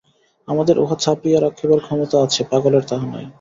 আমাদের উহা চাপিয়া রাখিবার ক্ষমতা আছে, পাগলের তাহা নাই।